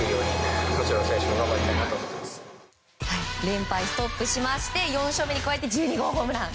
連敗ストップしまして４勝目に加えて１２号ホームラン。